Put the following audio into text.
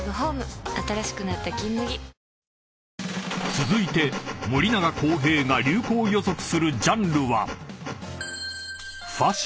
［続いて森永康平が流行予測するジャンルは］